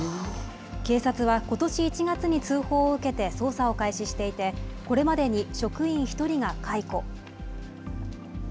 警察はことし１月に通報を受けて捜査を開始していて、これまでに職員１人が解雇。